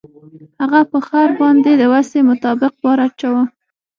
هغه په خر باندې د وسې مطابق بار اچاوه.